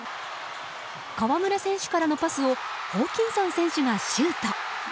河村選手からのパスをホーキンソン選手がシュート！